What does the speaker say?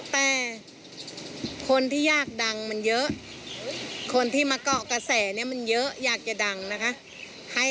แต่คนที่อยากดังมันเยอะคนที่มาเกาะกระแสเนี่ยมันเยอะอยากจะดังนะคะ